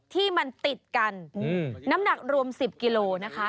ที่มันติดกันน้ำหนักรวม๑๐กิโลนะคะ